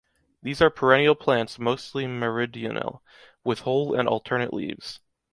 These are perennial plants mostly meridional, with whole and alternate leaves.